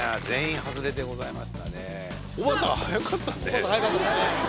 おばた速かったですね